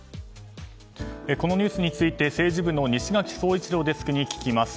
このニュースについて政治部の西垣壮一郎デスクに聞きます。